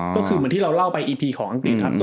ก็คือเหมือนที่เราเล่าไปอีพีของอังกฤษครับ